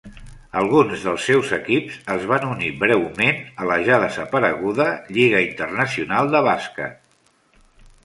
Alguns dels seus equips es van unir breument a la ja desapareguda Lliga Internacional de Bàsquet.